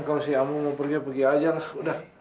kalau si amu mau pergi pergi aja lah udah